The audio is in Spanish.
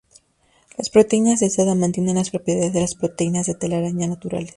Las proteínas de seda mantienen las propiedades de las proteínas de telaraña naturales.